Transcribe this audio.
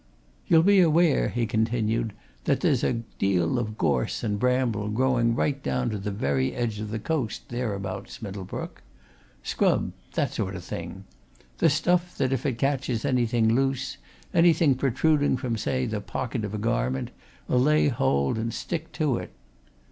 "You'll be aware," he continued, "that there's a deal of gorse and bramble growing right down to the very edge of the coast thereabouts, Middlebrook. Scrub that sort o' thing. The stuff that if it catches anything loose, anything protruding from say, the pocket of a garment, 'll lay hold and stick to it.